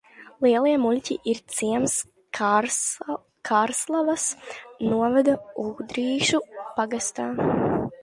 Lielie Muļķi ir ciems Krāslavas novada Ūdrīšu pagastā.